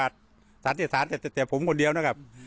สันติศาสตร์แต่ผมคนเดียวนะครับ